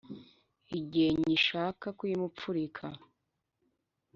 igihe nyishaka kuyimupfurika